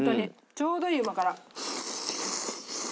ちょうどいいうま辛。